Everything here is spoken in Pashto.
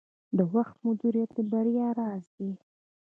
د وخت مدیریت د بریا راز دی.